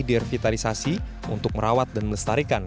direvitalisasi untuk merawat dan melestarikan